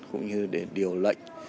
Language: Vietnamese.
cũng như để điều lệnh